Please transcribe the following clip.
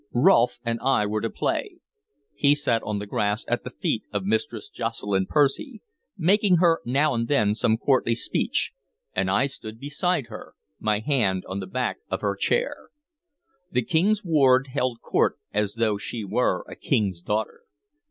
Rolfe and I were to play; he sat on the grass at the feet of Mistress Jocelyn Percy, making her now and then some courtly speech, and I stood beside her, my hand on the back of her chair. The King's ward held court as though she were a king's daughter.